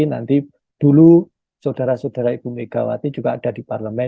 nanti dulu saudara saudara ibu megawati juga ada di parlemen